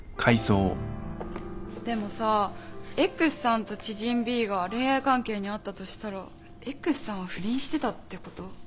でもさ Ｘ さんと知人 Ｂ が恋愛関係にあったとしたら Ｘ さんは不倫してたってこと？